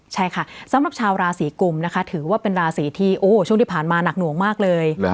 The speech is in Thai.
ใช่ค่ะสำหรับชาวราศีกุมนะคะถือว่าเป็นราศีที่ช่วงที่ผ่านมาหนักหน่วงมากเลย